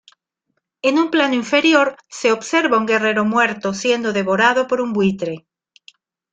En un plano inferior se observa un guerrero muerto siendo devorado por un buitre.